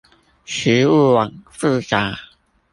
食物網複雜